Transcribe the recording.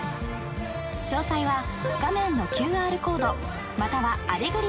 ［詳細は画面のＱＲコードまたはアレグリアで検索］